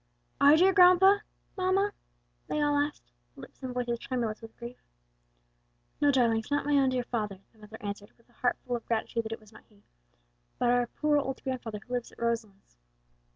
"Our dear grandpa, mamma?" they all asked, lips and voices tremulous with grief. "No, darlings, not my own dear father," the mother answered, with a heart full of gratitude that it was not he, "but our poor old grandfather who lives at Roselands."